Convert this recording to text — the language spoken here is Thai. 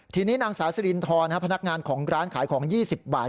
ทีนี้นางสาวสิรินทรพนักงานของร้านขายของ๒๐บาท